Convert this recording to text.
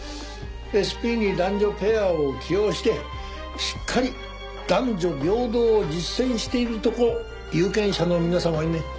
ＳＰに男女ペアを起用してしっかり男女平等を実践しているとこ有権者の皆様にねアピールするんですよ。